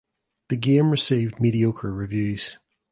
The game received mediocre reviews.